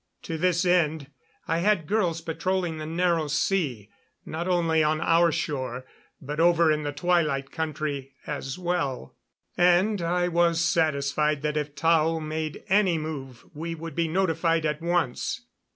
To this end I had girls patrolling the Narrow Sea, not only on our shore, but over in the Twilight Country as well; and I was satisfied that if Tao made any move we would be notified at once.